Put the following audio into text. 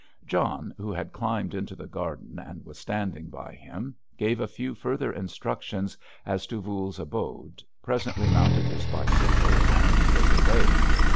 John, who had climbed into the garden and was standing by him, gave a few further instructions as to Voules's abode, presently mounted his bicycle and rode away.